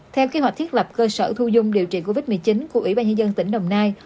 theo kế hoạch thiết lập cơ sở thu dung điều trị covid một mươi chín của ủy ban nhân dân tỉnh đồng nai